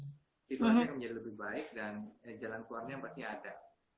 itu yang akan menjadi lebih baik dan jalan keluarnya yang pasti ada